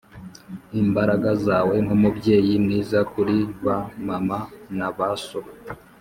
imbaraga zawe nkumubyeyi mwiza kuri ba mama na ba so,